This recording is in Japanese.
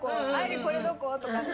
これどこ？とかって。